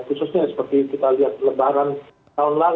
khususnya seperti kita lihat lebaran tahun lalu